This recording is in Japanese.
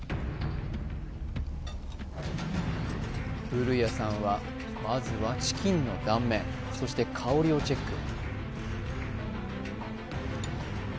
古屋さんはまずはチキンの断面そして香りをチェック